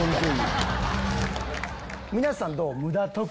皆さんどう？